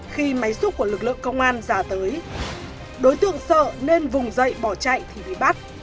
khi máy xúc của lực lượng công an ra tới đối tượng sợ nên vùng dậy bỏ chạy thì bị bắt